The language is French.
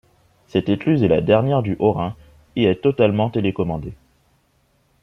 Cette écluse est la dernière du Haut-Rhin et est totalement télécommandée.